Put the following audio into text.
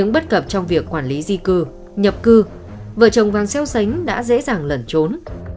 bất cập trong việc quản lý di cư nhập cư vợ chồng vàng xeo xánh đã dễ dàng lẩn trốn